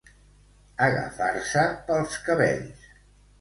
Agafar-se pels cabells.